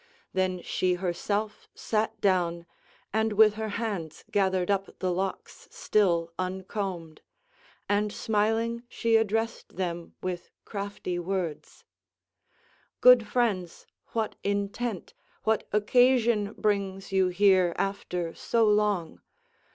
Then she herself sat down, and with her hands gathered up the locks still uncombed. And smiling she addressed them with crafty words: "Good friends, what intent, what occasion brings you here after so long?